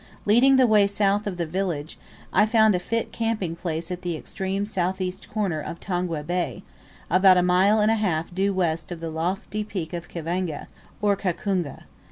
Leading the way south of the village, I found a fit camping place at the extreme south east corner of Tongwe Bay, about a mile and a half due west of the lofty peak of Kivanga, or Kakungu.